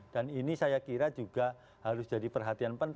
dan ini saya kira juga harus jadi perhatian penting